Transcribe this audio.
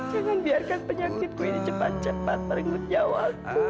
jangan biarkan penyakitku ini cepat cepat merenggut nyawaku